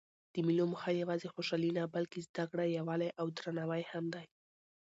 د مېلو موخه یوازي خوشحالي نه؛ بلکې زدکړه، یووالی او درناوی هم دئ.